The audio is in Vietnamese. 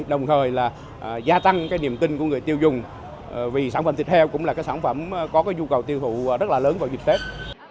đồng thời gia tăng niềm tin của người tiêu dùng vì sản phẩm thịt heo cũng là sản phẩm có nhu cầu tiêu thụ rất lớn vào dịp tết